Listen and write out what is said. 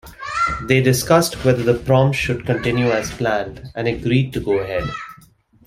They discussed whether the Proms should continue as planned, and agreed to go ahead.